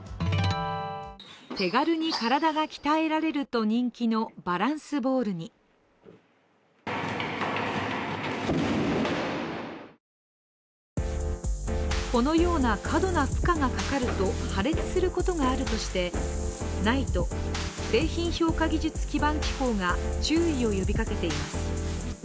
手軽に体が鍛えられると人気のバランスボールにこのような過度な負荷がかかると破裂することがあるとしてＮＩＴＥ＝製品評価技術基盤機構が注意を呼びかけています。